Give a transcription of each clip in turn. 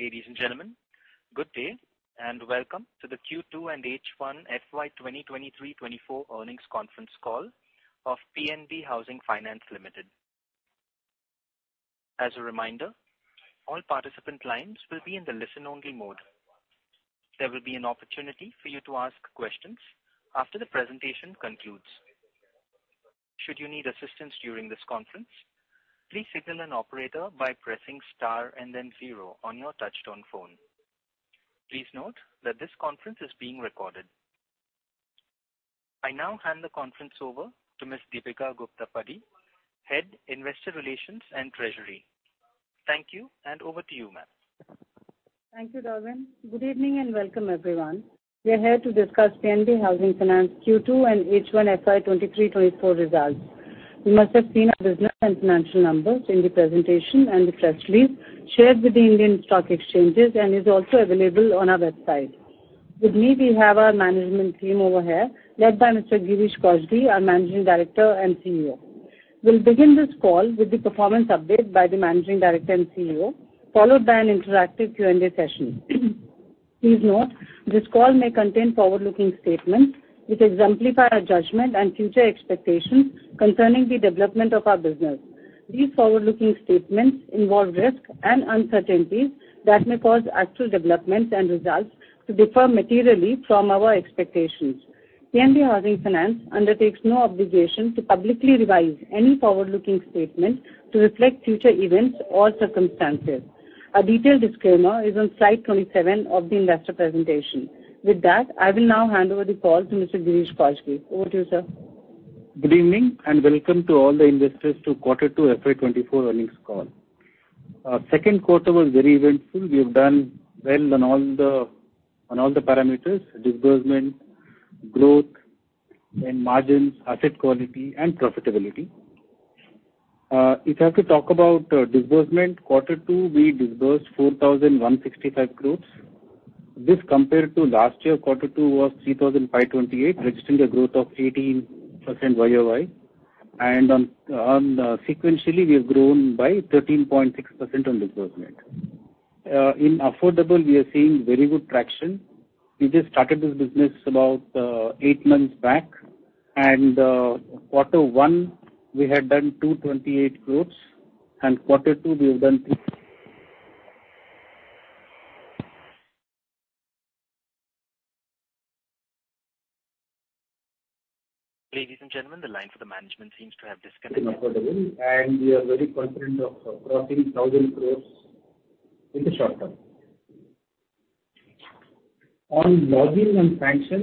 Ladies and gentlemen, good day, and welcome to the Q2 and H1 FY 2023-2024 Earnings Conference Call of PNB Housing Finance Limited. As a reminder, all participant lines will be in the listen-only mode. There will be an opportunity for you to ask questions after the presentation concludes. Should you need assistance during this conference, please signal an operator by pressing star and then zero on your touchtone phone. Please note that this conference is being recorded. I now hand the conference over to Ms. Deepika Gupta Padhi, Head of Investor Relations and Treasury. Thank you, and over to you, ma'am. Thank you, Darwin. Good evening, and welcome, everyone. We are here to discuss PNB Housing Finance Q2 and H1 FY 2023-2024 Results. You must have seen our business and financial numbers in the presentation and the press release shared with the Indian stock exchanges and is also available on our website. With me, we have our management team over here, led by Mr. Girish Kousgi, our Managing Director and CEO. We'll begin this call with the performance update by the Managing Director and CEO, followed by an interactive Q&A session. Please note, this call may contain forward-looking statements, which exemplify our judgment and future expectations concerning the development of our business. These forward-looking statements involve risks and uncertainties that may cause actual developments and results to differ materially from our expectations. PNB Housing Finance undertakes no obligation to publicly revise any forward-looking statement to reflect future events or circumstances. A detailed disclaimer is on Slide 27 of the investor presentation. With that, I will now hand over the call to Mr. Girish Kousgi. Over to you, sir. Good evening, and welcome to all the investors to Quarter Two FY 2024 Earnings Call. Our second quarter was very eventful. We have done well on all the parameters, disbursement, growth, and margins, asset quality, and profitability. If I have to talk about disbursement, quarter two, we disbursed 4,165 crore. This compared to last year, quarter two, was 3,528 crore, registering a growth of 18% YoY, and on sequentially, we have grown by 13.6% on disbursement. In affordable, we are seeing very good traction. We just started this business about eight months back, and quarter one, we had done 228 crore, and quarter two, we have done three- Ladies and gentlemen, the line for the management seems to have disconnected. In affordable, and we are very confident of crossing 1,000 crores in the short term. On login and sanction,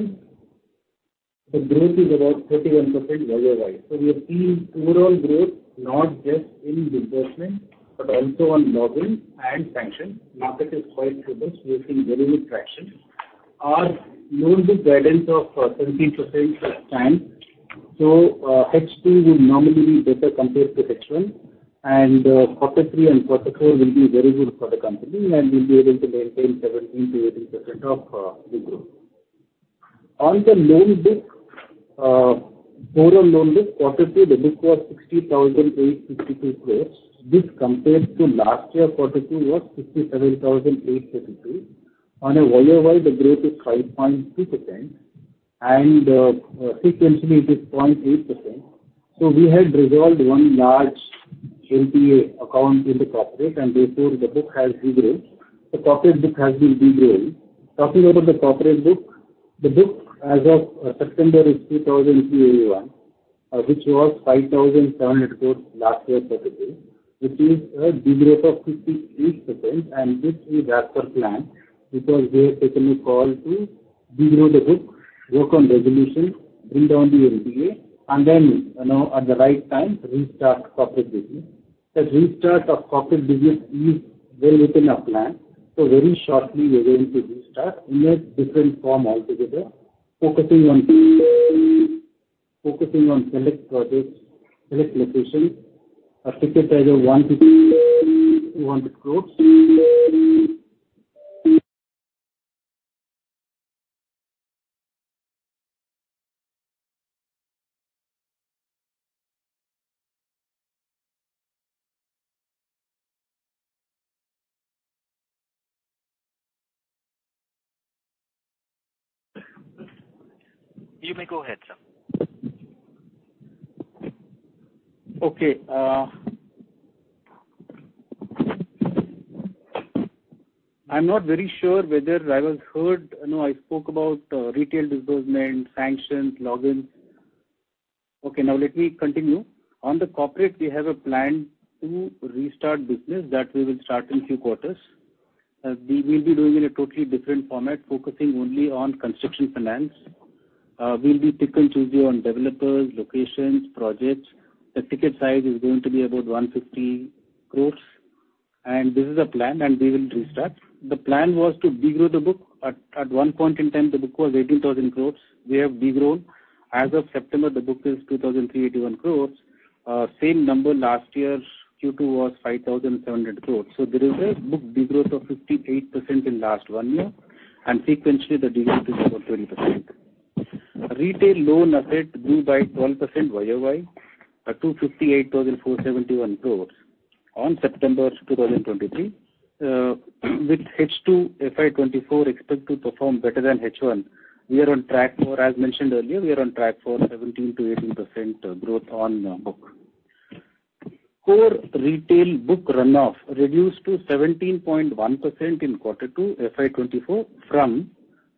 the growth is about 31% YoY. So we are seeing overall growth, not just in disbursement, but also on login and sanction. Market is quite robust. We are seeing very good traction. Our loan book guidance of 17% stands, so, H2 will normally be better compared to H1, and quarter three and quarter four will be very good for the company, and we'll be able to maintain 17%-18% of, the growth. On the loan book, overall loan book, quarter two, the book was 60,852 crores. This compared to last year, quarter two, was 57,852 crores. On a YoY, the growth is 5.2%, and, sequentially, it is 0.8%. We had resolved one large NPA account in the corporate, and therefore, the book has degrown. The corporate book has been degrown. Talking about of the corporate book, the book as of September is 2,381 crores, which was 5,700 crores last year, quarter two, which is a degrowth of 58%, and this is as per plan, because we have taken a call to degrow the book, work on resolution, bring down the NPA, and then, you know, at the right time, restart corporate business. The restart of corporate business is well within our plan, so very shortly, we're going to restart in a different form altogether, focusing on focusing on select projects, select locations. Our ticket size of INR 100-INR 100 crores. You may go ahead, sir. Okay, I'm not very sure whether I was heard. I know I spoke about retail disbursement, sanctions, logins. Okay, now let me continue. On the corporate, we have a plan to restart business that we will start in a few quarters. We will be doing in a totally different format, focusing only on construction finance. We'll be pick and choosy on developers, locations, projects. The ticket size is going to be about 150 crore, and this is a plan, and we will restart. The plan was to degrow the book. At one point in time, the book was 18,000 crore. We have degrown. As of September, the book is 2,381 crore. Same number last year's Q2 was 5,700 crore. So there is a book degrowth of 58% in last one year, and sequentially, the degrowth is about 20%. Retail loan asset grew by 12% YoY, at 258,471 crores on September 2023, with H2 FY 2024 expect to perform better than H1. We are on track for, as mentioned earlier, we are on track for 17%-18% growth on, book. Core retail book run-off reduced to 17.1% in quarter two, FY 2024, from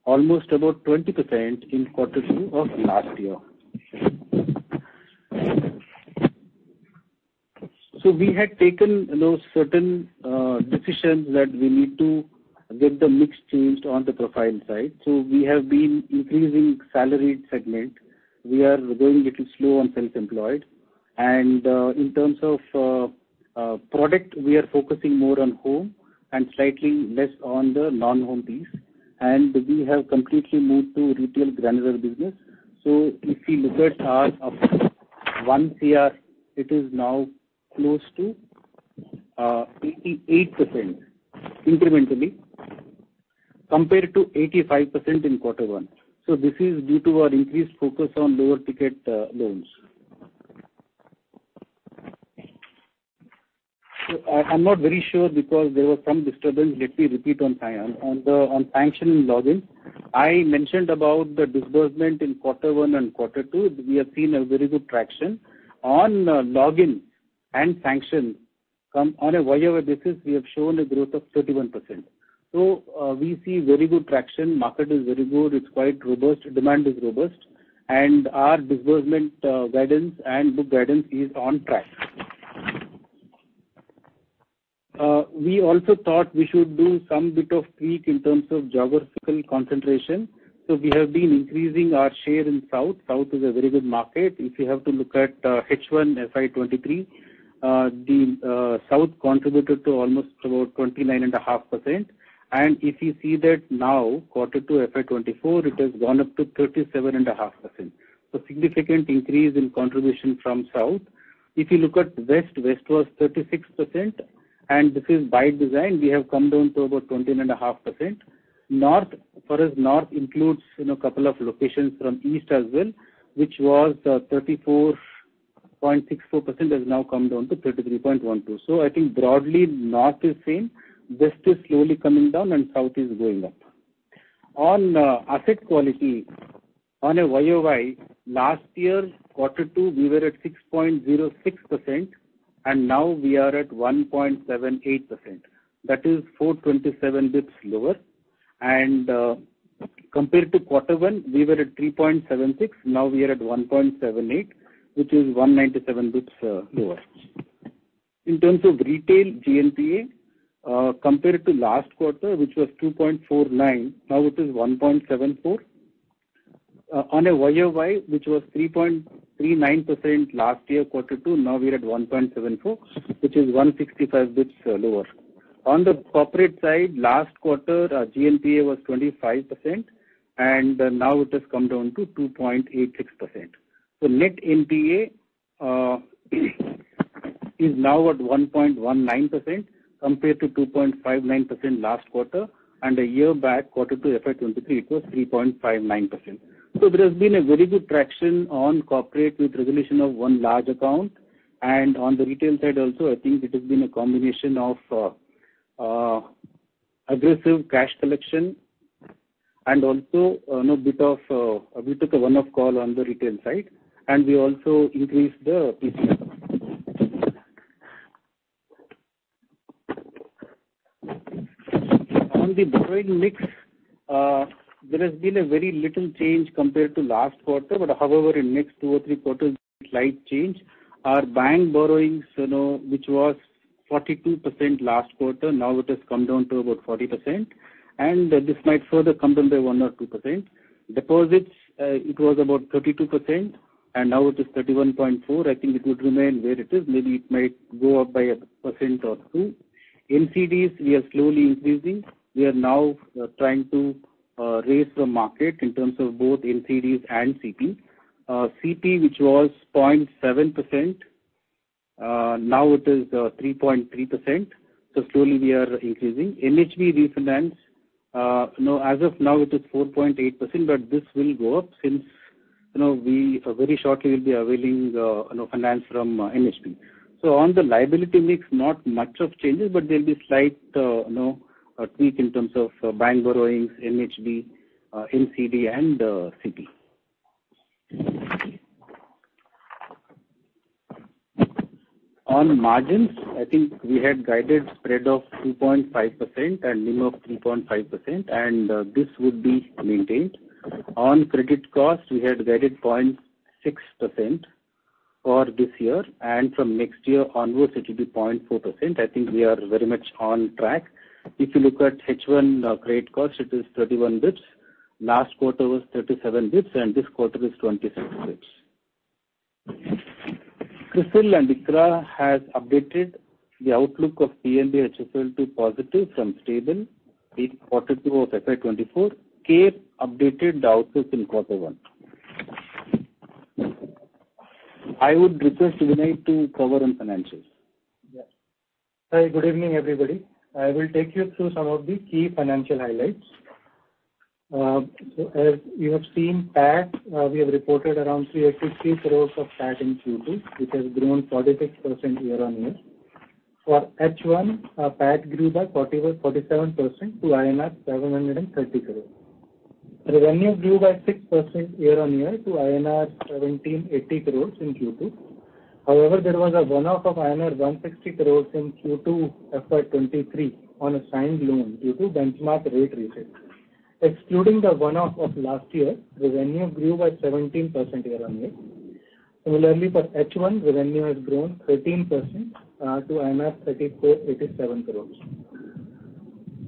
almost about 20% in quarter two of last year. So we had taken, you know, certain, decisions that we need to get the mix changed on the profile side. So we have been increasing salaried segment. We are going a little slow on self-employed, and, in terms of, product, we are focusing more on home and slightly less on the non-home piece. And we have completely moved to retail granular business. So if you look at our 1 CR, it is now close to 88% incrementally, compared to 85% in quarter one. So this is due to our increased focus on lower ticket loans. So I'm not very sure because there was some disturbance. Let me repeat on the on sanction and logins. I mentioned about the disbursement in quarter one and quarter two, we have seen a very good traction. On logins and sanction, on a YoY basis, we have shown a growth of 31%. So we see very good traction. Market is very good, it's quite robust, demand is robust, and our disbursement guidance and book guidance is on track. We also thought we should do some bit of tweak in terms of geographical concentration, so we have been increasing our share in South. South is a very good market. If you have to look at H1 FY 2023, the South contributed to almost about 29.5%. If you see that now, quarter two, FY 2024, it has gone up to 37.5%. Significant increase in contribution from South. If you look at West, West was 36%, and this is by design, we have come down to about 20.5%. North, for us, North includes, you know, couple of locations from East as well, which was 34.64%, has now come down to 33.12%. So I think broadly, North is same, West is slowly coming down and South is going up. On asset quality, on a year-over-year, last year, quarter two, we were at 6.06%, and now we are at 1.78%. That is 427 basis points lower. And compared to quarter one, we were at 3.76, now we are at 1.78, which is 197 basis points lower. In terms of retail GNPA, compared to last quarter, which was 2.49, now it is 1.74. On a YoY, which was 3.39% last year, quarter two, now we're at 1.74, which is 165 basis points lower. On the corporate side, last quarter, our GNPA was 25%, and now it has come down to 2.86%. So net NPA is now at 1.19%, compared to 2.59% last quarter, and a year back, quarter two, FY 2023, it was 3.59%. So there has been a very good traction on corporate with resolution of one large account. And on the retail side also, I think it has been a combination of aggressive cash collection and also, you know, bit of we took a one-off call on the retail side, and we also increased the PCR. On the borrowing mix, there has been a very little change compared to last quarter, but however, in next two or three quarters, slight change. Our bank borrowings, you know, which was 42% last quarter, now it has come down to about 40%, and this might further come down by 1% or 2%. Deposits, it was about 32%, and now it is 31.4%. I think it would remain where it is. Maybe it might go up by 1% or 2%. NCDs, we are slowly increasing. We are now trying to raise the market in terms of both NCDs and CP. CP, which was 0.7%, now it is 3.3%. So slowly we are increasing. NHB refinance, you know, as of now, it is 4.8%, but this will go up, since, you know, we very shortly will be availing, you know, finance from, NHB. So on the liability mix, not much of changes, but there'll be slight, you know, a tweak in terms of bank borrowings, NHB, NCD and, CP. On margins, I think we had guided spread of 2.5% and NIM of 3.5%, and, this would be maintained. On credit cost, we had guided 0.6% for this year, and from next year onwards, it will be 0.4%. I think we are very much on track. If you look at H1, credit cost, it is 31 basis points. Last quarter was 37 basis points, and this quarter is 26 basis points. CRISIL and ICRA has updated the outlook of PNB Housing Finance to positive from stable in quarter two of FY 2024. CARE updated the outlook in quarter one. I would request Vinay to cover on financials. Yes. Hi, good evening, everybody. I will take you through some of the key financial highlights. So as you have seen PAT, we have reported around 363 crores of PAT in Q2, which has grown 46% year-over-year. For H1, our PAT grew by 47% to INR 730 crores. Revenue grew by 6% year-over-year to INR 1,780 crores in Q2. However, there was a one-off of INR 160 crores in Q2, FY 2023, on a signed loan due to benchmark rate reset. Excluding the one-off of last year, revenue grew by 17% year-over-year. Similarly, for H1, revenue has grown 13% to 3,487 crores.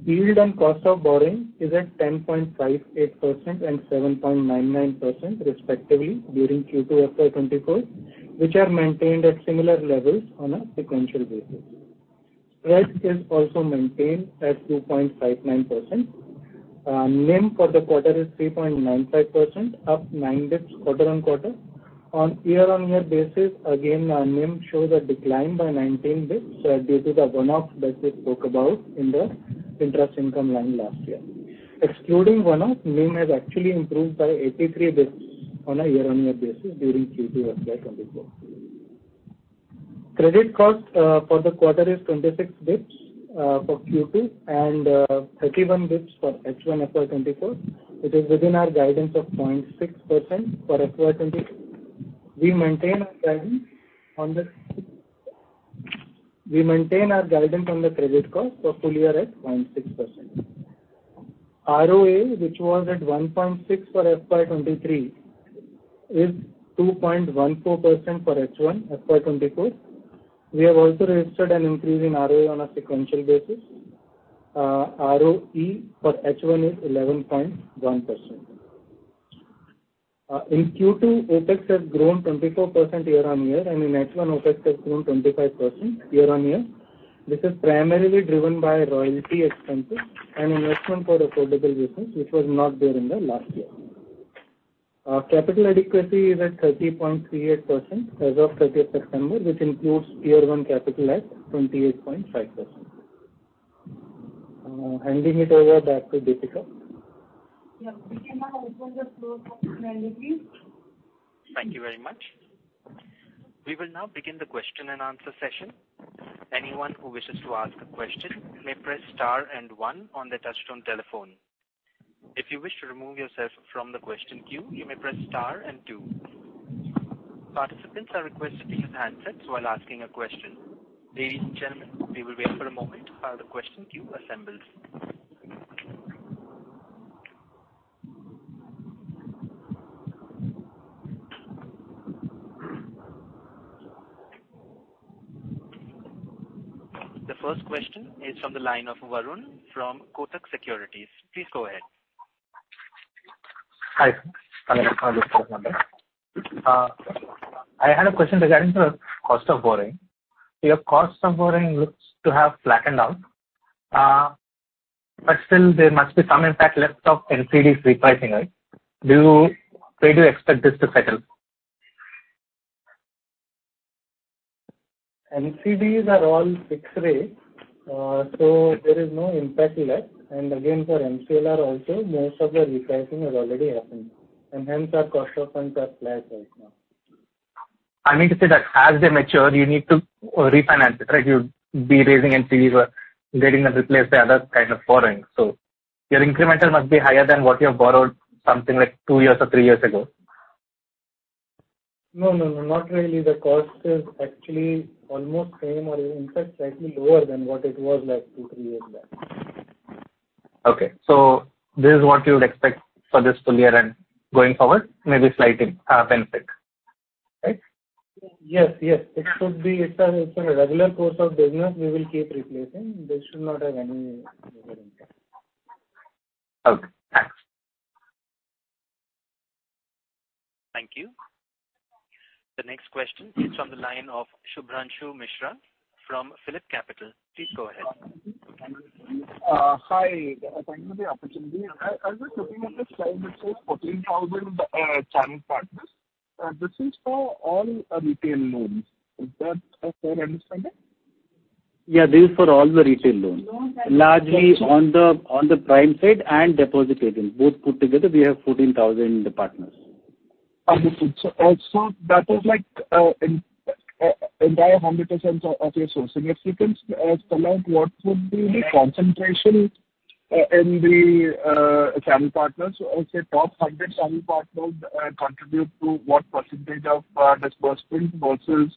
Yield and cost of borrowing is at 10.58% and 7.99% respectively during Q2 FY 2024, which are maintained at similar levels on a sequential basis. Spread is also maintained at 2.59%. NIM for the quarter is 3.95%, up 9 basis points quarter-on-quarter. On year-on-year basis, again, our NIM shows a decline by 19 basis points, due to the one-off that we spoke about in the interest income line last year. Excluding one-off, NIM has actually improved by 83 basis points on a year-on-year basis during Q2 FY 2024. Credit cost, for the quarter is 26 basis points, for Q2 and, 31 basis points for H1 FY 2024, which is within our guidance of 0.6% for FY 2024. We maintain our guidance on the... We maintain our guidance on the credit cost for full year at 0.6%. ROA, which was at 1.6% for FY 2023, is 2.14% for H1, FY 2024. We have also registered an increase in ROA on a sequential basis. ROE for H1 is 11.1%. In Q2, OpEx has grown 24% year-on-year, and in H1, OpEx has grown 25% year-on-year. This is primarily driven by royalty expenses and investment for affordable business, which was not there in the last year. Our capital adequacy is at 30.38% as of 30th September, which includes tier-one capital at 28.5%. Handing it over back to Deepika. Yeah, we can now open the floor for Q&A, please. Thank you very much. We will now begin the question and answer session. Anyone who wishes to ask a question may press star and one on their touchtone telephone. If you wish to remove yourself from the question queue, you may press star and two. Participants are requested to use handsets while asking a question. Ladies and gentlemen, we will wait for a moment while the question queue assembles. The first question is from the line of Varun from Kotak Securities. Please go ahead. Hi. I had a question regarding the cost of borrowing. Your cost of borrowing looks to have flattened out, but still there must be some impact left of NCDs repricing, right? Where do you expect this to settle? NCDs are all fixed rate, so there is no impact left. And again, for MCLR also, most of the repricing has already happened, and hence our cost of funds are flat right now. I mean to say that as they mature, you need to, refinance it, right? You'd be raising NCDs or getting them replace the other kind of borrowing. So your incremental must be higher than what you have borrowed something like two years or three years ago. No, no, no, not really. The cost is actually almost same or in fact, slightly lower than what it was like two, three years back. Okay. So this is what you would expect for this full year and going forward, maybe slight benefit, right? Yes, yes. It should be. It's a, it's a regular course of business. We will keep replacing. There should not have any further impact. Okay, thanks. Thank you. The next question is from the line of Shubhranshu Mishra from PhillipCapital. Please go ahead. Hi, thank you for the opportunity. I was looking at the slide that says 14,000 channel partners. This is for all retail loans. Is that a fair understanding? Yeah, this is for all the retail loans. Largely on the prime side and deposit agents. Both put together, we have 14,000 partners. Understood. So also that is like an entire 100% of your sourcing. If you can tell out what would be the concentration in the channel partners? Or say, top 100 channel partners contribute to what percentage of disbursements versus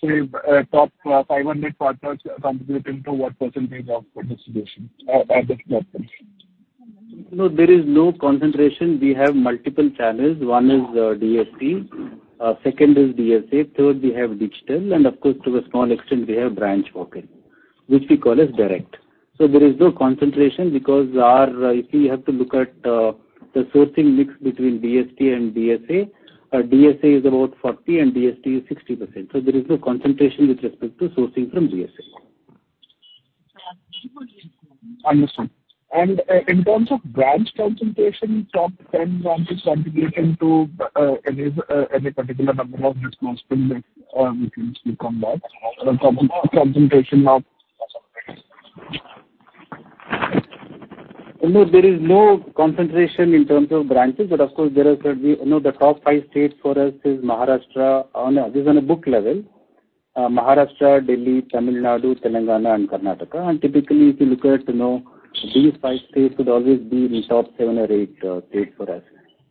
say top 500 partners contributing to what percentage of disbursements at this point? No, there is no concentration. We have multiple channels. One is, DSP, second is DSA, third, we have digital, and of course, to a small extent, we have branch walking, which we call as direct. So there is no concentration because our, if you have to look at, the sourcing mix between DSP and DSA, DSA is about 40% and DSP is 60%. So there is no concentration with respect to sourcing from DSA. Understood. And, in terms of branch concentration, top ten branches contributing to, any, any particular number of risk concentration or we can look on that, concentration of? No, there is no concentration in terms of branches, but of course, there are certainly, you know, the top five states for us is Maharashtra, on a, this is on a book level, Maharashtra, Delhi, Tamil Nadu, Telangana and Karnataka. And typically, if you look at, you know, these five states would always be in the top seven or eight states for us.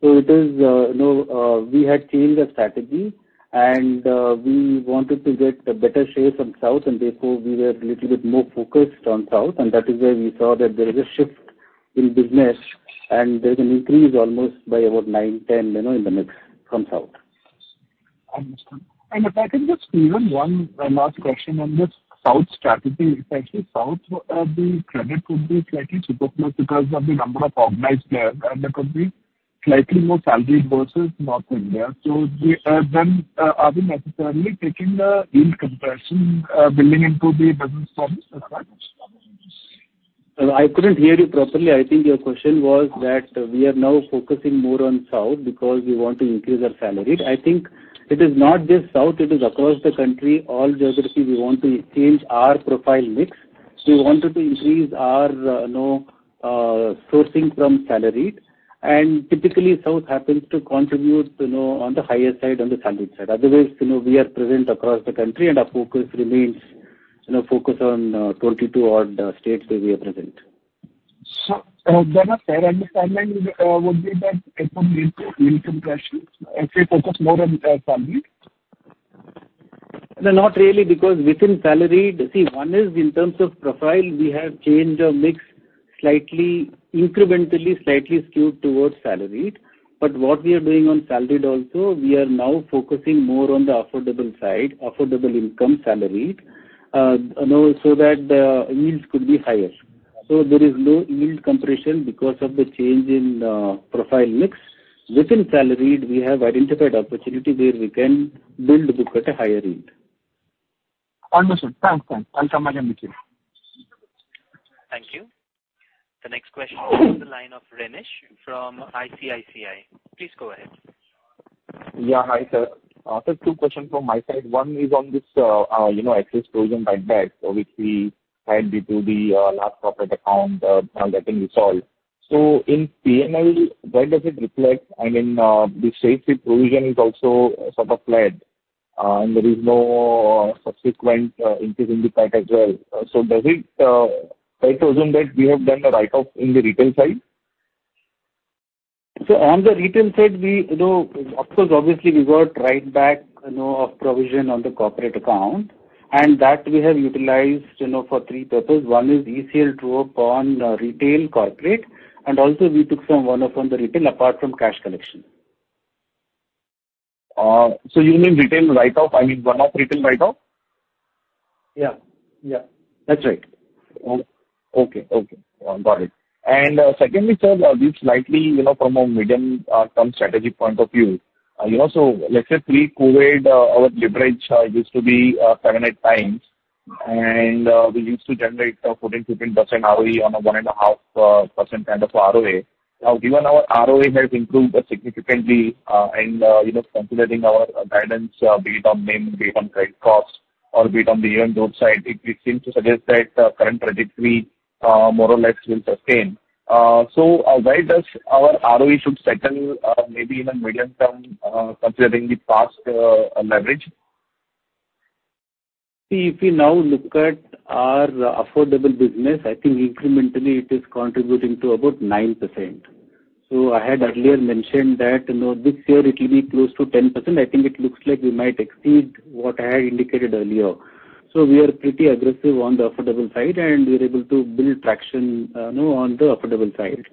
So it is, you know, we had changed our strategy and we wanted to get a better share from South, and therefore we were little bit more focused on South, and that is where we saw that there is a shift in business, and there is an increase almost by about nine, 10, you know, in the mix from South. Understood. If I can just even one last question on this South strategy. Actually, South, the credit could be slightly super close because of the number of organized players, and there could be slightly more salaried versus North India. So then, are we necessarily taking the yield compression, building into the business model as such? I couldn't hear you properly. I think your question was that we are now focusing more on South because we want to increase our salaried. I think it is not just South, it is across the country, all geography we want to change our profile mix. We wanted to increase our, you know, sourcing from salaried, and typically, South happens to contribute, you know, on the higher side, on the salaried side. Otherwise, you know, we are present across the country, and our focus remains, you know, focused on, 22 odd states where we are present. So, then, I understand that would be that it will lead to yield compression as we focus more on salaried? No, not really, because within salaried... See, one is in terms of profile, we have changed our mix slightly, incrementally, slightly skewed towards salaried. But what we are doing on salaried also, we are now focusing more on the affordable side, affordable income salaried, you know, so that the yields could be higher. So there is no yield compression because of the change in profile mix. Within salaried, we have identified opportunity where we can build book at a higher yield. Understood. Thanks, thanks. I'll come back to you. Thank you. The next question comes from the line of Renish from ICICI. Please go ahead. Yeah, hi, sir. Just two questions from my side. One is on this, you know, excess provision write back, which we had due to the last profiled account getting resolved. So in P&L, where does it reflect? I mean, the stage provision is also sort of flat, and there is no subsequent increase in the PCR as well. So does it, I presume that we have done a write-off in the retail side? So, on the retail side, we, you know, of course, obviously, got a write-back, you know, of provision on the corporate account, and that we have utilized, you know, for three purposes. One is ECL true-up on retail corporate, and also we took some one-off on the retail, apart from cash collection. So you mean retail write-off, I mean, one-off retail write-off? Yeah. Yeah, that's right. Okay. Okay. Got it. And, secondly, sir, just slightly, you know, from a medium-term strategy point of view, you know, so let's say pre-COVID, our leverage used to be seven-eight times, and we used to generate 14%-15% ROE on a 1.5% kind of ROA. Now, given our ROA has improved significantly, and you know, considering our guidance, be it on NIM, be it on credit costs or be it on the earnings growth side, it seems to suggest that the current trajectory more or less will sustain. So, where does our ROE should settle, maybe in a medium term, considering the past leverage? See, if we now look at our affordable business, I think incrementally it is contributing to about 9%. So I had earlier mentioned that, you know, this year it will be close to 10%. I think it looks like we might exceed what I had indicated earlier. So we are pretty aggressive on the affordable side, and we are able to build traction, you know, on the affordable side.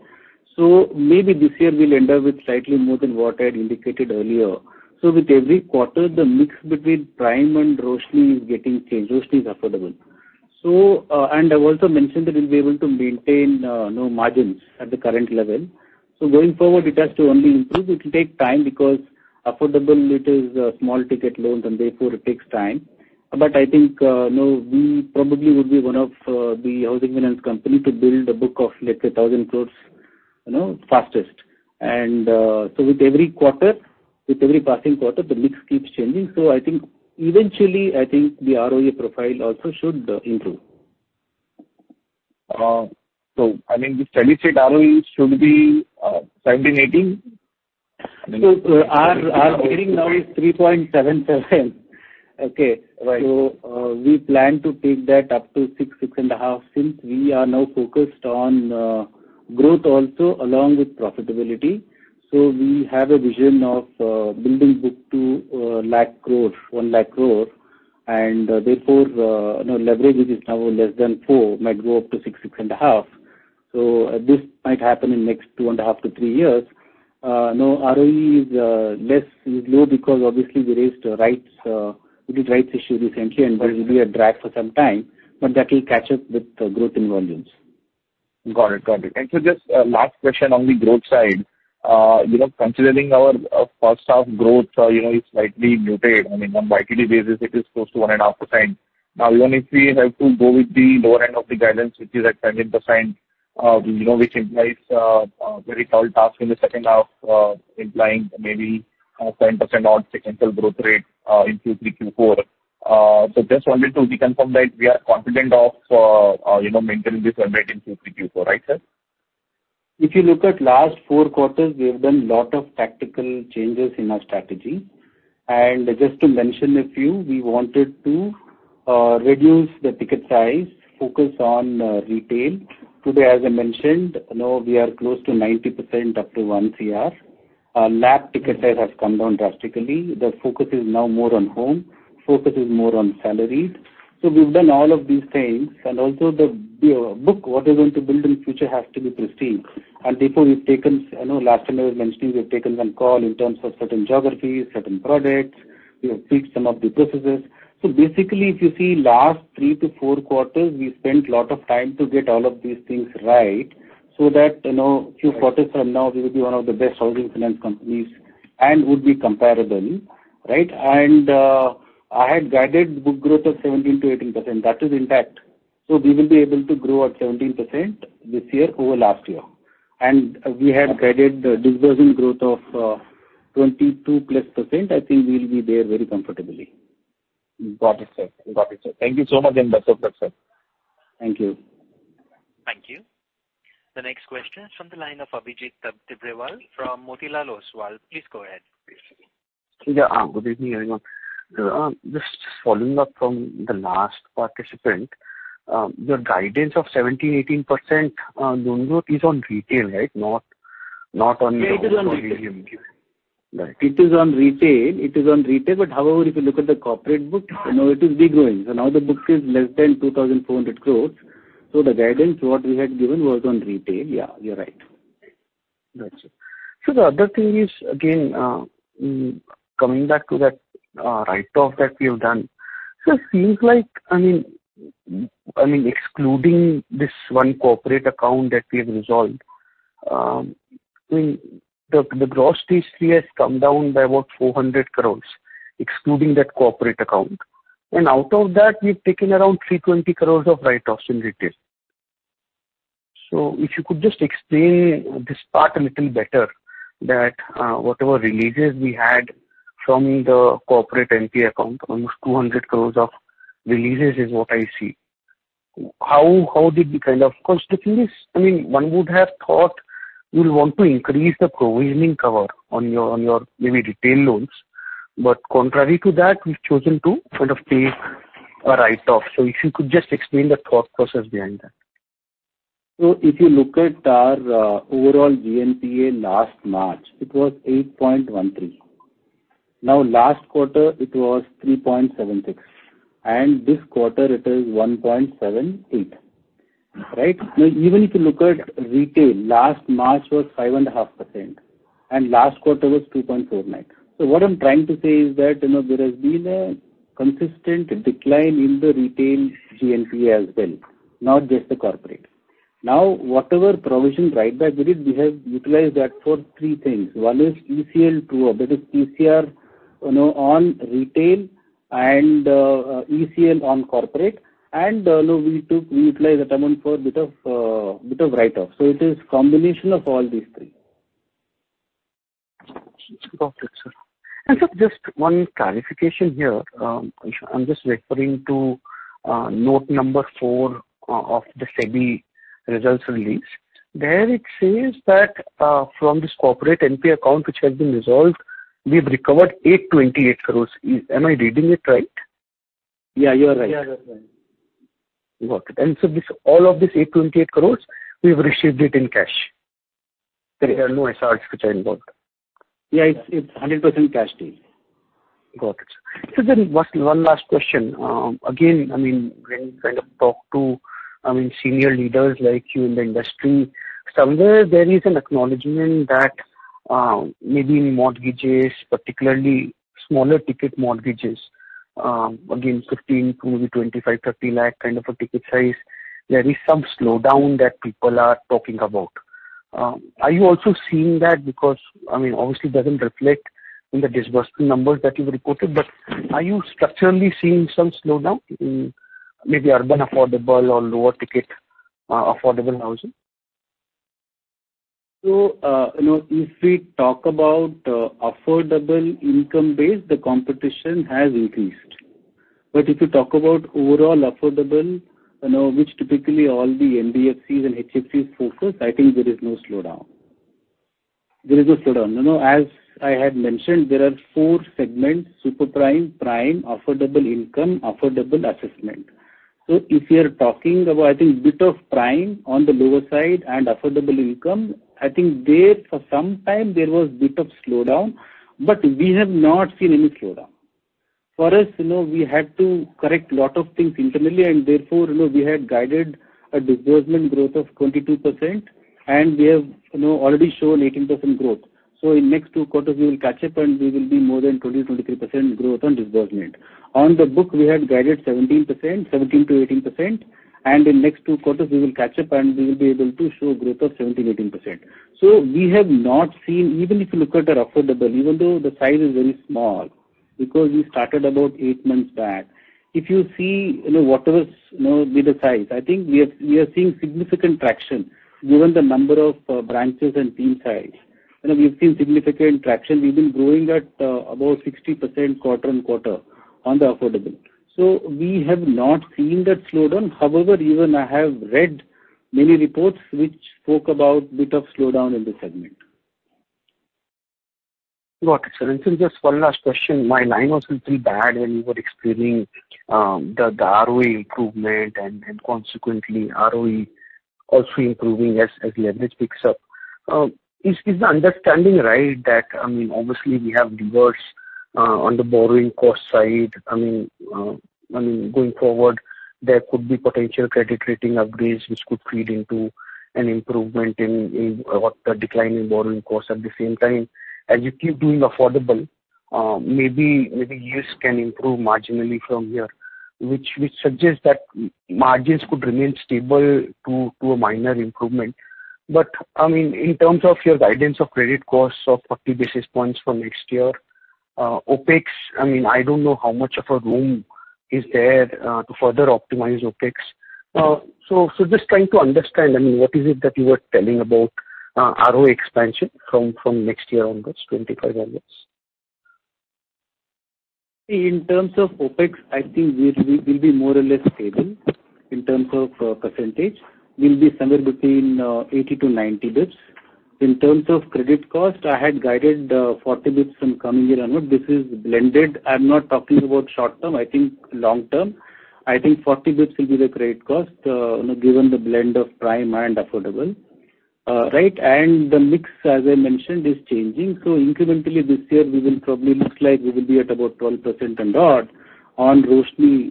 So maybe this year we'll end up with slightly more than what I had indicated earlier. So with every quarter, the mix between Prime and Roshni is getting changed. Roshni is affordable. So, and I've also mentioned that we'll be able to maintain, you know, margins at the current level. So going forward, it has to only improve. It will take time because affordable, it is, small ticket loans, and therefore it takes time. But I think, you know, we probably would be one of, the housing finance company to build a book of, let's say, 1,000 crore, you know, fastest. And so with every quarter, with every passing quarter, the mix keeps changing. So I think eventually, I think the ROE profile also should, improve. So I mean, the steady state ROE should be 17-18? So our rating now is 3.77. Okay. Right. So, we plan to take that up to 6-6.5, since we are now focused on growth also along with profitability. So we have a vision of building book to 100,000 crore, and therefore, you know, leverage, which is now less than 4, might go up to 6-6.5. So this might happen in next 2.5-3 years. You know, ROE is low because obviously we raised rights, we did Rights Issue recently, and there will be a drag for some time, but that will catch up with the growth in volumes. Got it. Got it. And so just, last question on the growth side. You know, considering our first half growth, you know, is slightly muted. I mean, on YTD basis, it is close to 1.5%. Now, even if we have to go with the lower end of the guidance, which is at 17%, you know, which implies a very tall task in the second half, implying maybe ten percent odd sequential growth rate in Q3, Q4. So just wanted to reconfirm that we are confident of, you know, maintaining this trend in Q3, Q4. Right, sir? If you look at last four quarters, we have done a lot of tactical changes in our strategy. Just to mention a few, we wanted to reduce the ticket size, focus on retail. Today, as I mentioned, now we are close to 90%, up to 1 crore. Our LAP ticket size has come down drastically. The focus is now more on home, focus is more on salaried. We've done all of these things, and also the book, what we're going to build in future has to be pristine. And therefore, we've taken some call in terms of certain geographies, certain products. We have fixed some of the processes. So basically, if you see last three-four quarters, we spent a lot of time to get all of these things right, so that, you know, few quarters from now, we will be one of the best housing finance companies and would be comparable, right? And, I had guided book growth of 17%-18%. That is intact. So we will be able to grow at 17% this year over last year. And we had guided the disbursing growth of, 22%+. I think we will be there very comfortably. Got it, sir. Got it, sir. Thank you so much and best of luck, sir. Thank you. Thank you. The next question is from the line of Abhijit Tibrewal from Motilal Oswal. Please go ahead. Yeah, good evening, everyone. Just following up from the last participant, your guidance of 17%-18% loan growth is on retail, right? Not on- Yeah, it is on retail. Right. It is on retail. It is on retail, but however, if you look at the corporate book, you know, it is de-growing. So now the book is less than 2,400 crore. So the guidance, what we had given was on retail. Yeah, you're right. Got you. So the other thing is, again, coming back to that write-off that we have done. So it seems like, I mean, I mean, excluding this one corporate account that we have resolved, I mean, the gross NPA has come down by about 400 crores, excluding that corporate account. And out of that, we've taken around 320 crores of write-offs in retail. So if you could just explain this part a little better, that whatever releases we had from the corporate NPA account, almost 200 crores of releases is what I see. How did we kind of... Because the thing is, I mean, one would have thought you will want to increase the provisioning cover on your, on your maybe retail loans, but contrary to that, we've chosen to sort of take a write-off. If you could just explain the thought process behind that. So if you look at our overall GNPA last March, it was 8.13%. Now, last quarter it was 3.76%, and this quarter it is 1.78%, right? Now, even if you look at retail, last March was 5.5%, and last quarter was 2.49%. So what I'm trying to say is that, you know, there has been a consistent decline in the retail GNPA as well, not just the corporate. Now, whatever provision write-back there is, we have utilized that for three things. One is ECL true-up, that is ECL, you know, on retail and ECL on corporate, and, you know, we utilized that amount for a bit of write-off. So it is combination of all these three. Got it, sir. And so just one clarification here. I'm just referring to note number four of the SEBI results release. There it says that from this corporate NP account, which has been resolved, we've recovered 828 crore. Am I reading it right? Yeah, you are right. Got it. And so this, all of this 828 crore, we've received it in cash? There are no assets which are involved. Yeah, it's, it's 100% cash deal. Got it. So then one last question. Again, I mean, when you kind of talk to, I mean, senior leaders like you in the industry, somewhere there is an acknowledgement that maybe in mortgages, particularly smaller ticket mortgages, again, 15 lakh to maybe 25 lakh-30 lakh kind of a ticket size, there is some slowdown that people are talking about. Are you also seeing that? Because, I mean, obviously, it doesn't reflect in the disbursement numbers that you've reported, but are you structurally seeing some slowdown in maybe urban affordable or lower ticket affordable housing? So, you know, if we talk about affordable income base, the competition has increased. But if you talk about overall affordable, you know, which typically all the NBFCs and HFCs focus, I think there is no slowdown. There is no slowdown. You know, as I had mentioned, there are four segments: super prime, prime, affordable income, affordable assessment. So if you are talking about, I think, bit of prime on the lower side and affordable income, I think there for some time there was bit of slowdown, but we have not seen any slowdown. For us, you know, we had to correct lot of things internally, and therefore, you know, we had guided a disbursement growth of 22%, and we have, you know, already shown 18% growth. So in next two quarters, we will catch up and we will be more than 20%-23% growth on disbursement. On the book, we had guided 17%, 17%-18%, and in next two quarters we will catch up and we will be able to show growth of 17%-18%. So we have not seen, even if you look at our affordable, even though the size is very small, because we started about eight months back, if you see, you know, whatever is, you know, with the size, I think we are, we are seeing significant traction given the number of branches and team size. You know, we've seen significant traction. We've been growing at about 60% quarter-on-quarter on the affordable. So we have not seen that slowdown. However, even I have read many reports which spoke about a bit of slowdown in this segment. Got it, sir. And just one last question. My line was little bad when you were explaining the ROE improvement and consequently ROE also improving as the average picks up. Is the understanding right that, I mean, obviously we have levers on the borrowing cost side. I mean, going forward, there could be potential credit rating upgrades, which could feed into an improvement in or the decline in borrowing costs. At the same time, as you keep doing affordable, maybe yields can improve marginally from here, which suggests that margins could remain stable to a minor improvement. But, I mean, in terms of your guidance of credit costs of 40 basis points for next year, OpEx, I mean, I don't know how much of a room is there to further optimize OpEx. So just trying to understand, I mean, what is it that you are telling about ROE expansion from next year onwards, 2025 onwards? In terms of OpEx, I think we will be more or less stable in terms of percentage. We'll be somewhere between 80-90 bps. In terms of credit cost, I had guided 40 bps from coming year onward. This is blended. I'm not talking about short term, I think long term. I think 40 bps will be the credit cost, you know, given the blend of prime and affordable. Right, and the mix, as I mentioned, is changing. So incrementally this year we will probably looks like we will be at about 12% and odd on Roshni,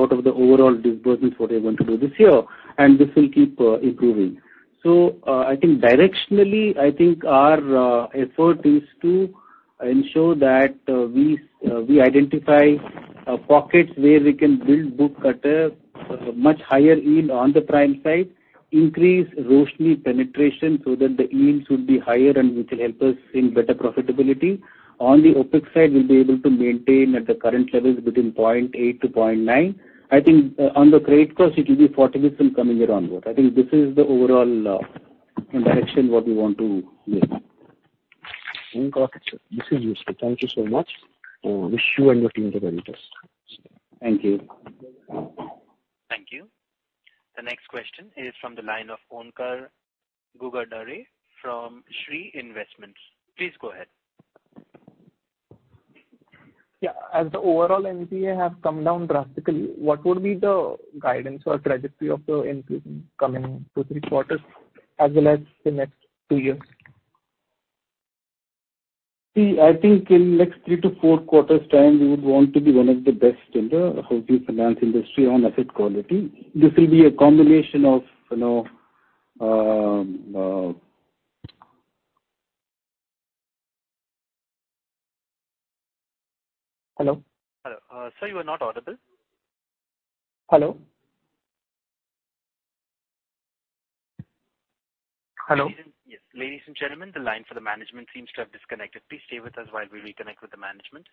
out of the overall disbursements what we are going to do this year, and this will keep improving. So, I think directionally, I think our effort is to ensure that we identify pockets where we can build book at a much higher yield on the prime side, increase Roshni penetration so that the yields would be higher and which will help us in better profitability. On the OpEx side, we'll be able to maintain at the current levels between 0.8-0.9. I think on the credit cost, it will be 40 basis points from coming year onward. I think this is the overall direction what we want to take. Okay, this is useful. Thank you so much. Wish you and your team the very best. Thank you. Thank you. The next question is from the line of Omkar Ghogare from Shree Investments. Please go ahead. Yeah. As the overall NPA have come down drastically, what would be the guidance or trajectory of the NPA in coming two, three quarters as well as the next two years? See, I think in next three-four quarters' time, we would want to be one of the best in the housing finance industry on asset quality. This will be a combination of, you know... Hello? Hello. Sir, you are not audible. Hello? Hello. Yes. Ladies and gentlemen, the line for the management seems to have disconnected. Please stay with us while we reconnect with the management.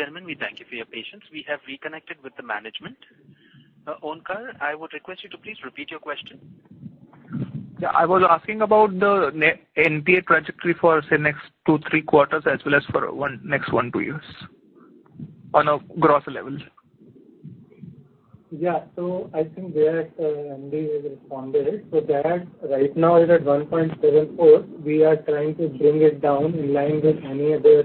Ladies and gentlemen, we thank you for your patience. We have reconnected with the management. Omkar, I would request you to please repeat your question. Yeah. I was asking about the NPA trajectory for, say, next two-three quarters, as well as for next one-two years on a gross level.... Yeah, so I think there, Andy has responded. So that right now is at 1.74. We are trying to bring it down in line with any other,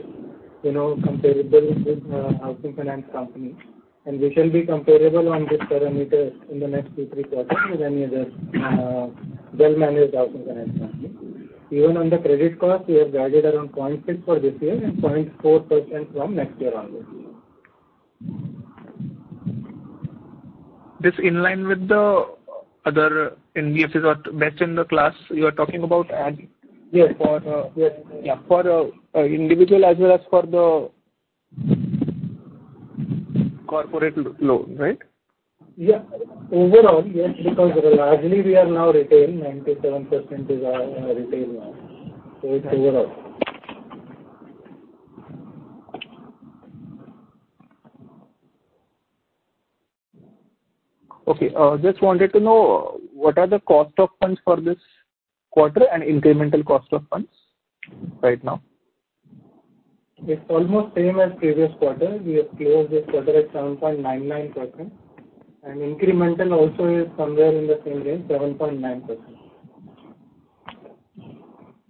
you know, comparable with housing finance company. We shall be comparable on this parameter in the next two-three quarters with any other well-managed housing finance company. Even on the credit cost, we have guided around 0.6% for this year and 0.4% from next year onwards. This in line with the other indices or best in the class you are talking about add- Yes. Yes, for individual as well as for the corporate loan, right? Yeah. Overall, yes, because largely we are now retail. 97% is our retail now. So it's overall. Okay, just wanted to know what are the cost of funds for this quarter and incremental cost of funds right now? It's almost same as previous quarter. We have closed this quarter at 7.99%, and incremental also is somewhere in the same range, 7.9%.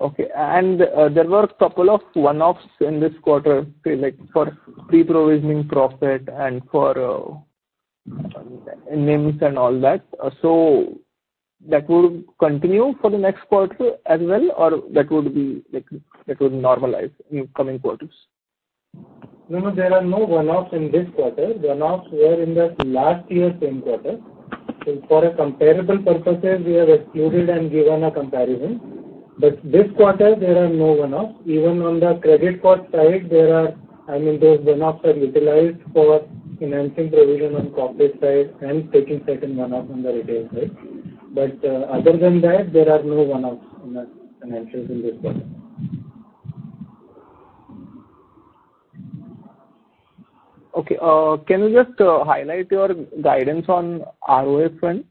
Okay. And there were a couple of one-offs in this quarter, say, like, for pre-provisioning profit and for NIMs and all that. So that will continue for the next quarter as well, or that would be like, that would normalize in coming quarters? No, no, there are no one-offs in this quarter. One-offs were in the last year, same quarter. So for a comparable purposes, we have excluded and given a comparison, but this quarter there are no one-off. Even on the credit card side, there are, I mean, those one-offs are utilized for enhancing provision on corporate side and taking second one-off on the retail side. But, other than that, there are no one-offs in the financials in this quarter. Okay, can you just highlight your guidance on ROA front?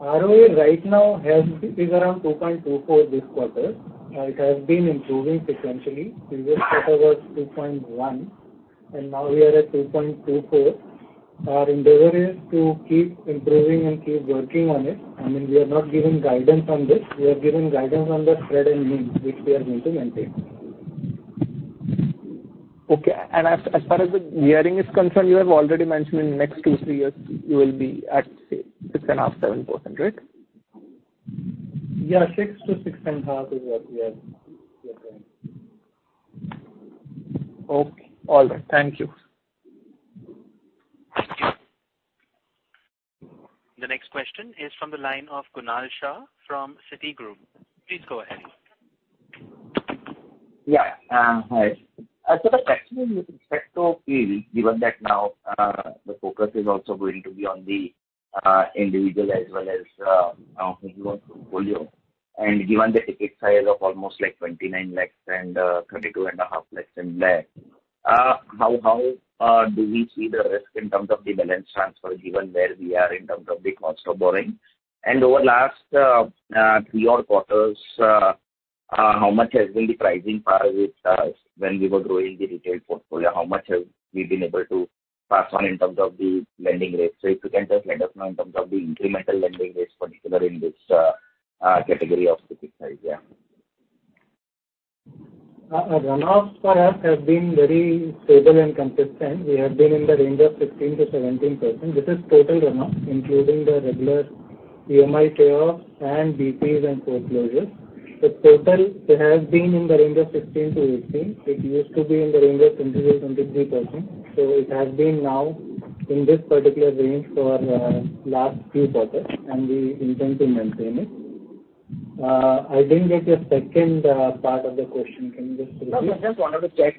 ROA right now has is around 2.24 this quarter. It has been improving sequentially. Previous quarter was 2.1, and now we are at 2.24. Our endeavor is to keep improving and keep working on it. I mean, we are not giving guidance on this. We are giving guidance on the spread and NIM, which we are going to maintain. Okay. And as far as the gearing is concerned, you have already mentioned in next two-three years, you will be at, say, 6.5%-7%, right? Yeah, 6%-6.5% is what we are planning. Okay. All right. Thank you. The next question is from the line of Kunal Shah from Citigroup. Please go ahead. Yeah, hi. So the question with respect to yield, given that now the focus is also going to be on the individual as well as on portfolio, and given the ticket size of almost like 29 lakhs and 32.5 lakhs in there, how do we see the risk in terms of the balance transfer, given where we are in terms of the cost of borrowing? And over last three odd quarters, how much has been the pricing power with us when we were growing the retail portfolio? How much have we been able to pass on in terms of the lending rates? So if you can just let us know in terms of the incremental lending rates, particularly in this category of ticket size. Yeah. Our run-offs for us have been very stable and consistent. We have been in the range of 15%-17%. This is total run-off, including the regular EMI payoffs and BPs and foreclosures. The total has been in the range of 15%-18%. It used to be in the range of 20%-23%. So it has been now in this particular range for last few quarters, and we intend to maintain it. I didn't get your second part of the question. Can you just repeat? No, I just wanted to check,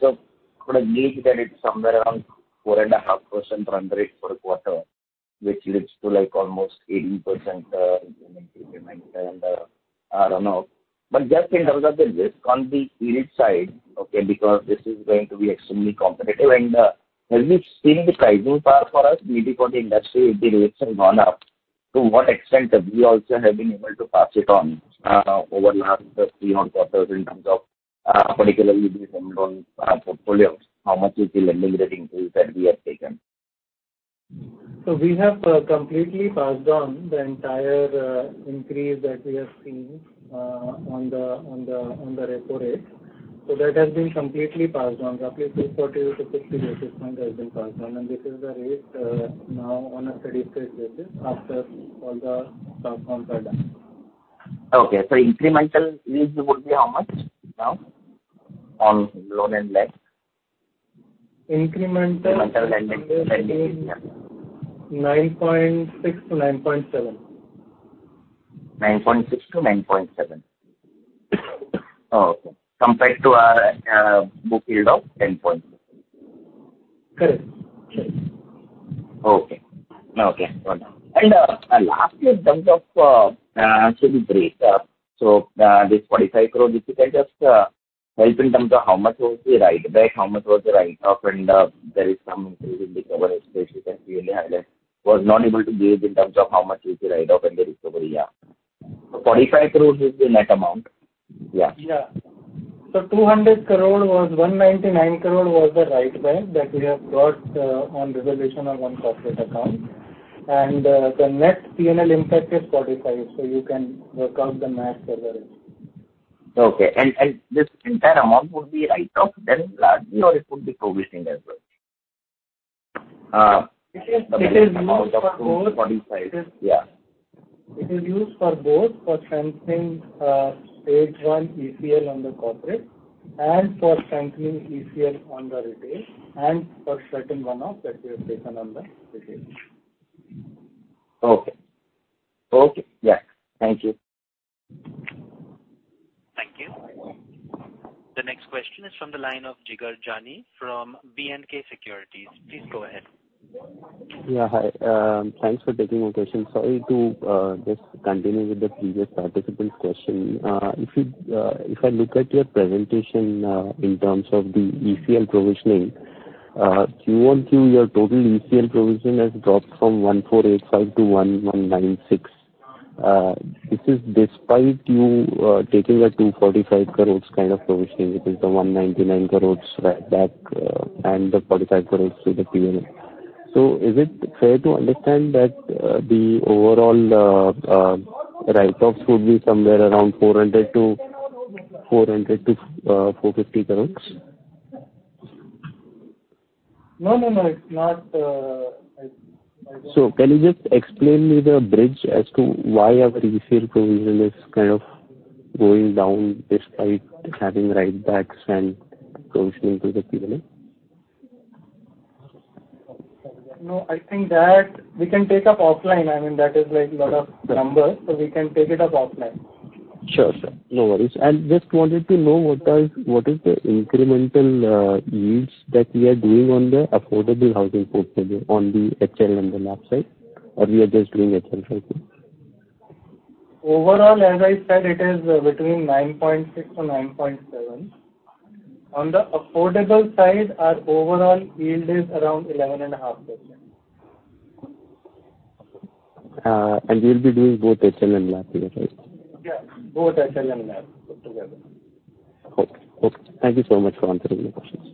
so for a yield that it's somewhere around 4.5% run rate for a quarter, which leads to like almost 18% increment and, I don't know. But just in terms of the risk on the yield side, okay, because this is going to be extremely competitive and, have we seen the pricing power for us, maybe for the industry, if the rates have gone up, to what extent we also have been able to pass it on, over last three odd quarters in terms of, particularly the home loan portfolio, how much is the lending rate increase that we have taken? So we have completely passed on the entire increase that we have seen on the repo rate. So that has been completely passed on. Roughly two quarters to 50 basis point has been passed on, and this is the rate now on a steady-state basis after all the stop forms are done. Okay. So incremental yield would be how much now on loan and LAP? Incremental? Incremental lending. 9.6-9.7. 9.6-9.7. Okay. Compared to our book yield of 10 point. Correct. Correct. Okay. Okay, got it. And last year, in terms of risk break up, so this INR 45 crore, if you can just help in terms of how much was the write back, how much was the write off, and there is some recovery coverage that you can really highlight. Was not able to gauge in terms of how much is the write off and the recovery, yeah... so 45 crores is the net amount? Yeah. Yeah. So 200 crore was 199 crore was the write back that we have got on reservation on one corporate account, and the net PNL impact is 45, so you can work out the math as well. Okay. And this entire amount would be write-off, then largely, or it would be provisioning as well? It is, it is used for both. Forty-five. Yeah. It is used for both, for strengthening stage one ECL on the corporate and for strengthening ECL on the retail, and for certain one-off that we have taken on the retail. Okay. Okay, yeah. Thank you. Thank you. The next question is from the line of Jigar Jani from B&K Securities. Please go ahead. Yeah, hi. Thanks for taking my question. Sorry to just continue with the previous participant's question. If you, if I look at your presentation, in terms of the ECL provisioning, Q1Q, your total ECL provisioning has dropped from 1,485 crore to 1,196 crore. This is despite you taking a 245 crore kind of provisioning. It is the 199 crore back, and the 45 crore to the PNL. Is it fair to understand that the overall write-offs would be somewhere around 400-450 crore? No, no, no, it's not. Can you just explain to me the bridge as to why our ECL provision is kind of going down despite having write-backs and provisioning to the PNL? No, I think that we can take up offline. I mean, that is like a lot of numbers, so we can take it up offline. Sure, sir. No worries. I just wanted to know what are, what is the incremental yields that we are doing on the affordable housing portfolio on the HL and the LAP side, or we are just doing HL side? Overall, as I said, it is between 9.6 or 9.7. On the affordable side, our overall yield is around 11.5%. We'll be doing both HL and LAP here, right? Yeah, both HL and LAP put together. Okay. Okay. Thank you so much for answering my questions.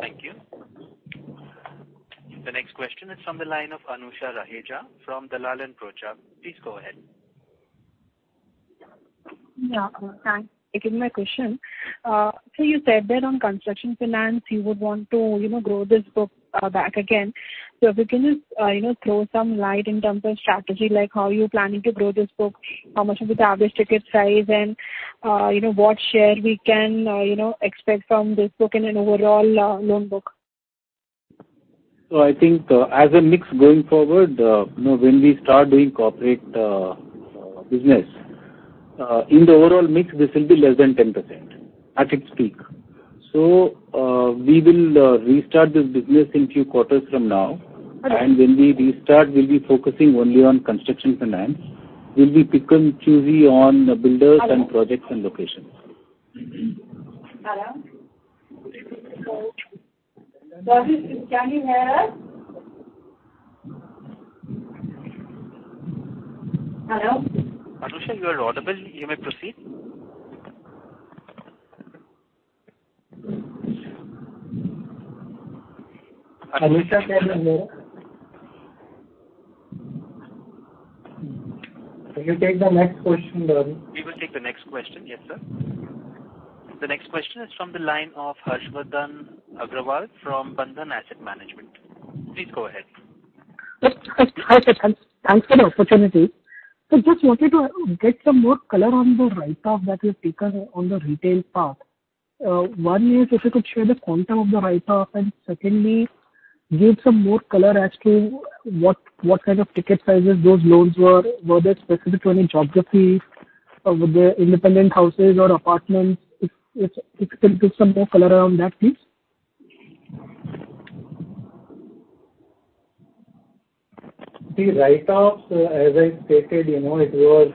Thank you. The next question is from the line of Anusha Raheja from Dalal & Broacha. Please go ahead. Yeah, thanks for taking my question. So you said that on construction finance, you would want to, you know, grow this book back again. So if you can just, you know, throw some light in terms of strategy, like how you're planning to grow this book, how much is the average ticket size, and, you can, you know, what share we can, you know, expect from this book in an overall loan book? So I think, as a mix going forward, you know, when we start doing corporate business, in the overall mix, this will be less than 10% at its peak. So, we will restart this business in few quarters from now. Okay. When we restart, we'll be focusing only on construction finance. We'll be pick and choosy on the builders and projects and locations. Hello? Can you hear us? Hello. Anusha, you are audible. You may proceed. Anusha, can you hear? Can you take the next question, Ravi? We will take the next question. Yes, sir. The next question is from the line of Harshvardhan Agrawal from Bandhan Asset Management. Please go ahead. Yes. Hi, sir. Thanks for the opportunity. Just wanted to get some more color on the write-off that you've taken on the retail part. One is, if you could share the quantum of the write-off, and secondly, give some more color as to what kind of ticket sizes those loans were. Were they specific to any geographies? Were they independent houses or apartments? If you can give some more color around that, please. The write-offs, as I stated, you know, it was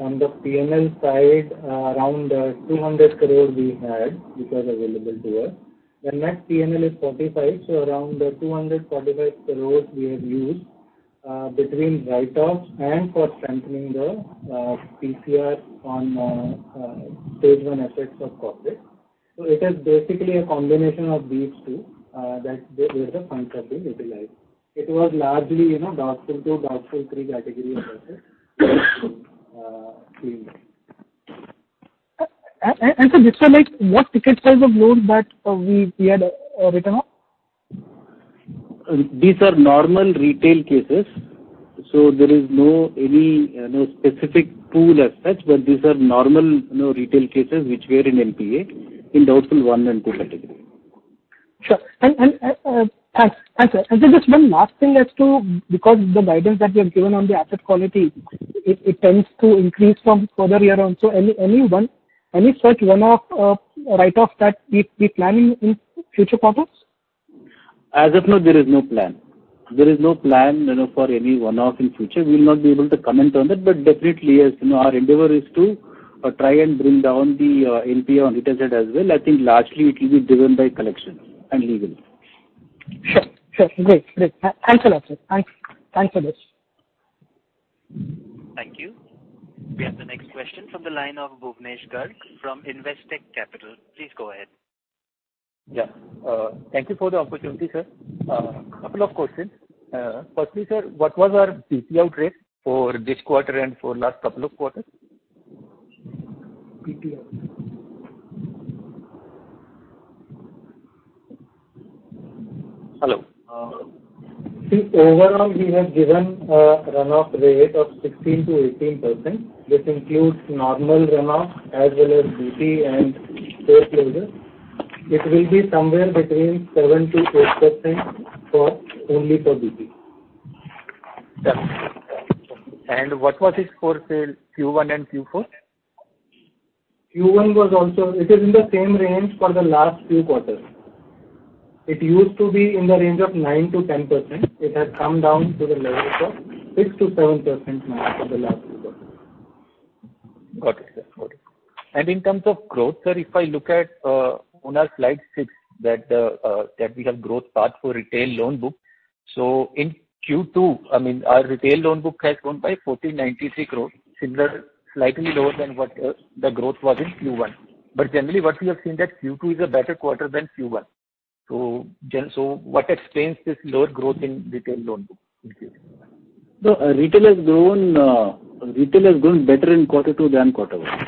on the P&L side, around 200 crore we had, which was available to us. The net P&L is 45, so around 245 crore we have used between write-offs and for strengthening the PCR on stage one assets of corporate. So it is basically a combination of these two that there is a funds have been utilized. It was largely, you know, doubtful two doubtful three category assets. So just for, like, what ticket size of loan that we had written off? These are normal retail cases, so there is no any, you know, specific pool as such, but these are normal, you know, retail cases which were in NPA, in doubtful one and two category. Sure. And sir, just one last thing as to... Because the guidance that you have given on the asset quality, it tends to increase from further year on. So any such one-off write-off that we planning in future quarters? As of now, there is no plan. There is no plan, you know, for any one-off in future. We will not be able to comment on that, but definitely, as you know, our endeavor is to try and bring down the NPA on it as well. I think largely it will be driven by collection and legal. Sure, sure. Great, great. Thanks a lot, sir. Thanks, thanks for this. Thank you. We have the next question from the line of Bhuvnesh Garg from Investec Capital. Please go ahead. Yeah, thank you for the opportunity, sir. Couple of questions. Firstly, sir, what was our PPR rate for this quarter and for last couple of quarters? PPR. Hello? See, overall, we have given a runoff rate of 16%-18%. This includes normal runoff as well as BT and foreclosure. It will be somewhere between 7%-8% for only for BT. Yeah. What was it for, say, Q1 and Q4? Q1 was also... It is in the same range for the last few quarters. It used to be in the range of 9%-10%. It has come down to the level of 6%-7% now for the last few quarters. Got it, sir. Got it. And in terms of growth, sir, if I look at, on our Slide 6, that, that we have growth path for retail loan book. So in Q2, I mean, our retail loan book has grown by 1,493 crore, similar, slightly lower than what, the growth was in Q1. But generally, what we have seen that Q2 is a better quarter than Q1. So so what explains this lower growth in retail loan book in Q2? So, retail has grown, retail has grown better in Quarter two than Quarter one.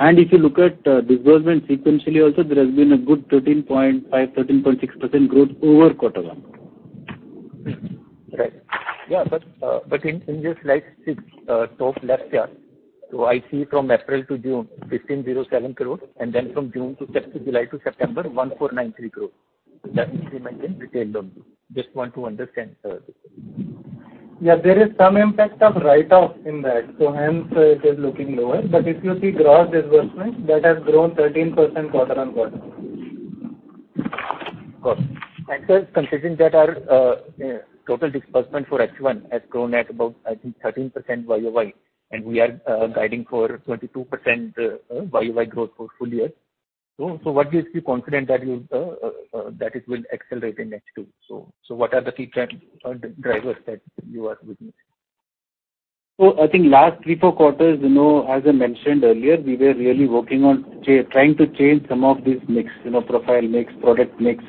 If you look at disbursement sequentially also, there has been a good 13.5%-13.6% growth over Quarter one. Right. Yeah, but, but in, in this Slide 6, top left here, so I see from April to June, 1,507 crore, and then from June to July to September, 1,493 crore. That increment in retail loan book. Just want to understand, sir. Yeah, there is some impact of write-off in that, so hence it is looking lower. But if you see gross disbursement, that has grown 13% quarter-on-quarter. Got it. Sir, considering that our total disbursement for H1 has grown at about, I think, 13% YoY, and we are guiding for 22% YoY growth for full year. So what gives you confident that it will accelerate in H2? So what are the key trends or the drivers that you are witnessing? So I think last three, four quarters, you know, as I mentioned earlier, we were really working on trying to change some of this mix, you know, profile mix, product mix,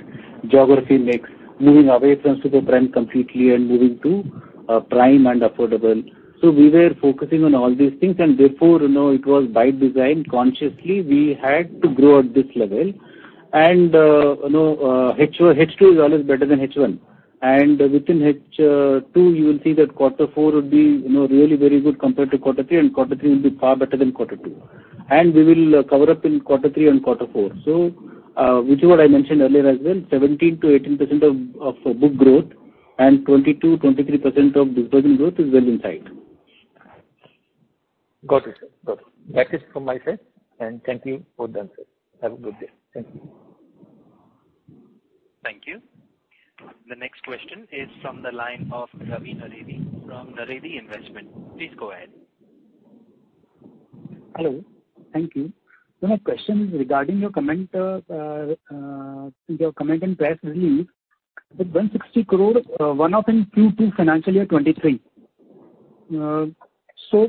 geography mix, moving away from super prime completely and moving to prime and affordable. So we were focusing on all these things, and therefore, you know, it was by design, consciously, we had to grow at this level. And you know, H1... H2 is always better than H1. And within H2, you will see that quarter four would be, you know, really very good compared to quarter three, and quarter three will be far better than quarter two. And we will cover up in quarter three and quarter four. So, which is what I mentioned earlier as well, 17%-18% of book growth and 22%-23% of disbursement growth is well in sight. Got it, sir. Got it. That is from my side, and thank you for that, sir. Have a good day. Thank you. Thank you. The next question is from the line of Ravi Naredi from Naredi Investment. Please go ahead. Hello. Thank you. So my question is regarding your comment, your comment in press release, that 160 crore one-off in Q2 financial year 2023. So,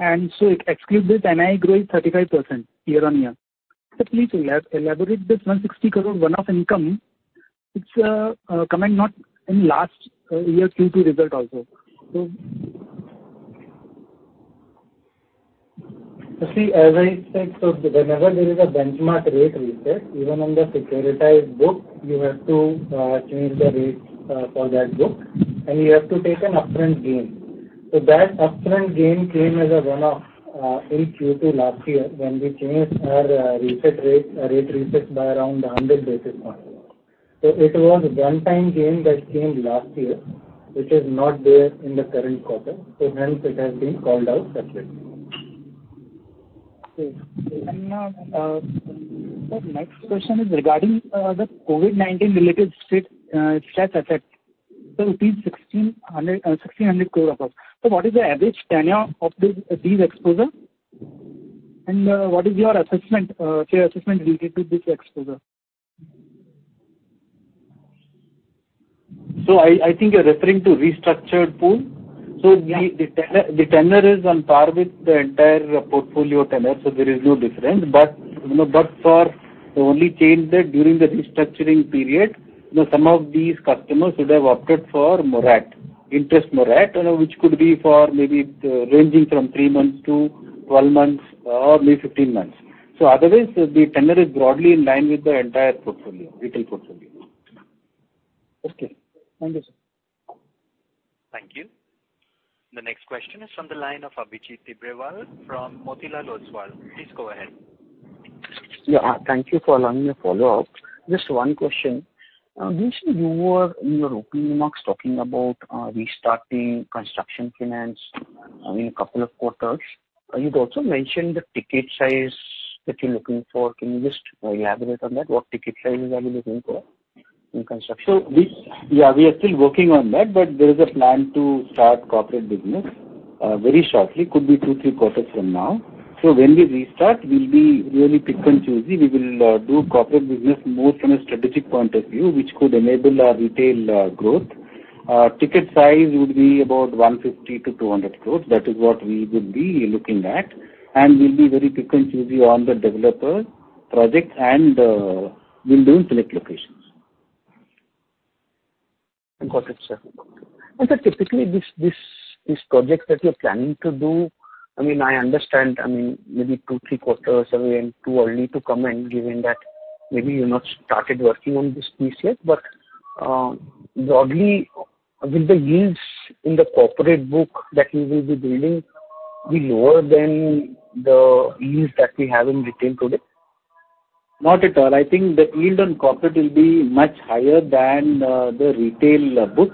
and so it excludes this NII growth 35% year-on-year. So please elaborate this 160 crore one-off income. It's coming not in last year Q2 result also. So... You see, as I said, so whenever there is a benchmark rate reset, even on the securitized book, you have to change the rate for that book, and you have to take an upfront gain. So that upfront gain came as a one-off in Q2 last year, when we changed our reset rate by around 100 basis points. So it was a one-time gain that came last year, which is not there in the current quarter, so hence it has been called out separately. Okay. And, sir, next question is regarding the COVID-19 related strict stress effect. So it is rupees 1,600 crore above. So what is the average tenure of this exposure? And, what is your assessment related to this exposure? So I think you're referring to restructured pool. So the tenor is on par with the entire portfolio tenor, so there is no difference. But, you know, but for the only change that during the restructuring period, you know, some of these customers would have opted for moratorium, interest moratorium, you know, which could be for maybe ranging from three months to 12 months or maybe 15 months. So otherwise, the tenor is broadly in line with the entire portfolio, retail portfolio. Okay. Thank you, sir. Thank you. The next question is from the line of Abhijit Tibrewal from Motilal Oswal. Please go ahead. Yeah, thank you for allowing me to follow up. Just one question. Recently, you were in your opening remarks talking about restarting construction finance in a couple of quarters. You'd also mentioned the ticket size that you're looking for. Can you just elaborate on that? What ticket sizes are you looking for in construction? Yeah, we are still working on that, but there is a plan to start corporate business very shortly, could be two, three quarters from now. So when we restart, we'll be really pick and choosy. We will do corporate business more from a strategic point of view, which could enable our retail growth. Ticket size would be about 150 crore-200 crore. That is what we would be looking at, and we'll be very pick and choosy on the developer project, and we'll do in select locations. Got it, sir. And sir, typically, this, these projects that you're planning to do, I mean, I understand, I mean, maybe two, three quarters away and too early to comment, given that maybe you're not started working on this piece yet. But, broadly, will the yields in the corporate book that you will be building be lower than the yields that we have in retail today? Not at all. I think the yield on corporate will be much higher than the retail book.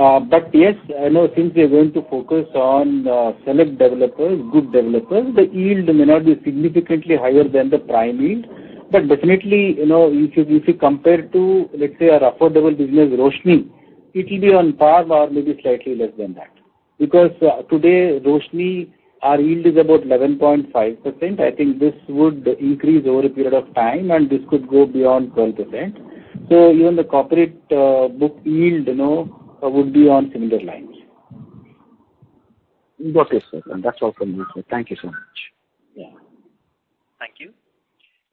But yes, I know since we are going to focus on select developers, good developers, the yield may not be significantly higher than the prime yield. But definitely, you know, if you, if you compare to, let's say, our affordable business, Roshni, it will be on par or maybe slightly less than that. Because today, Roshni, our yield is about 11.5%. I think this would increase over a period of time, and this could go beyond 12%. So even the corporate book yield, you know, would be on similar lines. Got it, sir. That's all from me, sir. Thank you so much. Yeah. Thank you.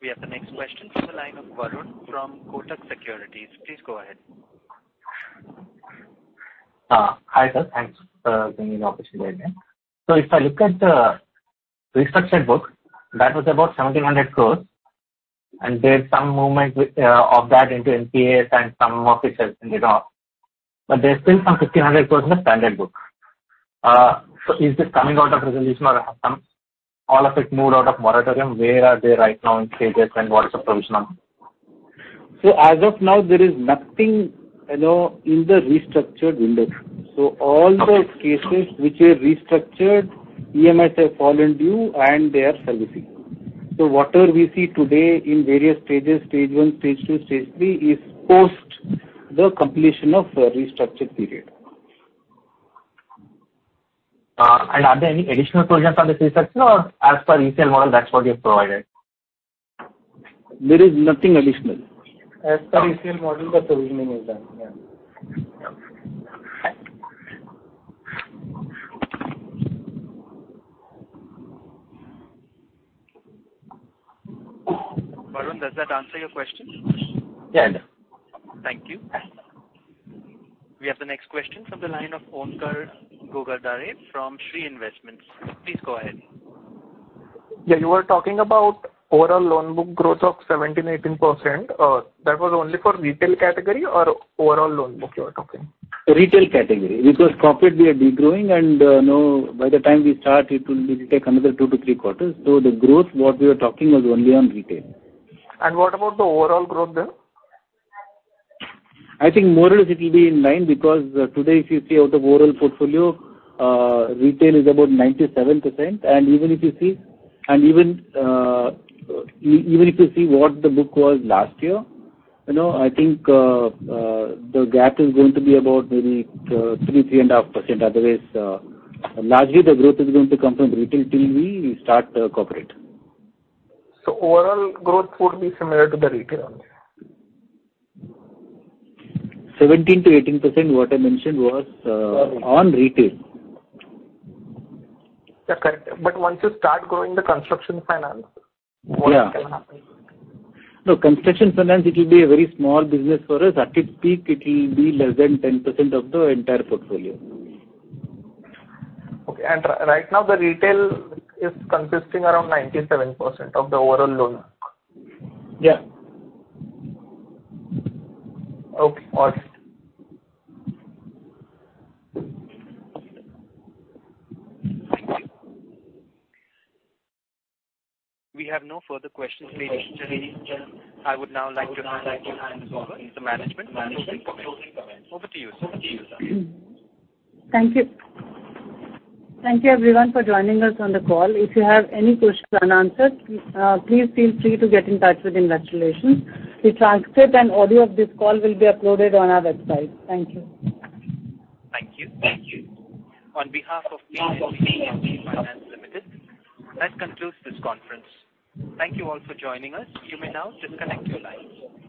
We have the next question from the line of Varun from Kotak Securities. Please go ahead. Hi, sir. Thanks for giving me the opportunity again. So if I look at the restructured book, that was about 1,700 crore, and there's some movement with, of that into NPAs and some of it has been written off. But there's still some 1,500 crore in the standard book. So is this coming out of resolution or have some all of it moved out of moratorium? Where are they right now in stages, and what's the provision on them? So as of now, there is nothing, you know, in the restructured window. So all those cases which are restructured, EMIs have fallen due and they are servicing. So whatever we see today in various stages, stage one, stage two, stage three, is post the completion of the restructure period. Are there any additional provisions on this research or as per ECL model? That's what you have provided? There is nothing additional. As per ECL model, the provisioning is done. Yeah. Varun, does that answer your question? Yeah, it does. Thank you. We have the next question from the line of Omkar Ghogare from Shree Investments. Please go ahead. Yeah, you were talking about overall loan book growth of 17%-18%. That was only for retail category or overall loan book you are talking? Retail category, because corporate we are degrowing and, you know, by the time we start, it will take another two-three quarters. So the growth, what we were talking, was only on retail. What about the overall growth then? I think more or less it will be in line, because today, if you see out the overall portfolio, retail is about 97%. And even if you see what the book was last year, you know, I think the gap is going to be about maybe 3%-3.5%. Otherwise, largely the growth is going to come from retail till we start the corporate. So overall growth would be similar to the retail only? 17%-18%, what I mentioned was, on retail. Yeah, correct. Once you start growing the construction finance, what can happen? Yeah. No, construction finance, it will be a very small business for us. At its peak, it will be less than 10% of the entire portfolio. Okay. And right now, the retail is consisting around 97% of the overall loan? Yeah. Okay, got it. Thank you. We have no further questions, ladies and gentlemen. I would now like to thank you and the management for closing comments. Over to you, sir. Thank you. Thank you, everyone, for joining us on the call. If you have any questions unanswered, please feel free to get in touch with investor relations. The transcript and audio of this call will be uploaded on our website. Thank you. Thank you. Thank you. On behalf of PNB Housing Finance Limited, that concludes this conference. Thank you all for joining us. You may now disconnect your lines.